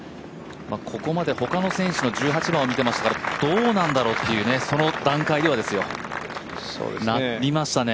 ここまで他の選手の１８番を見てましたから、どうなんだろうとその段階ではですよ、なりましたね。